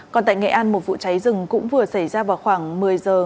còn tại nghệ an một vụ cháy rừng cũng vừa xảy ra vào khoảng một mươi giờ